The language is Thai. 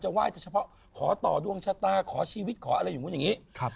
จะว้ายแต่เฉพาะขอต่อดวงชะตาขอชีวิตขออะไรอยู่มุ่นอย่างงี้ครับ